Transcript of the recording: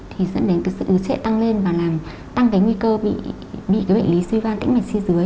thì dẫn đến cái sự ứt xệ tăng lên và làm tăng cái nguy cơ bị cái bệnh lý suy giãn tĩnh mạch chi dưới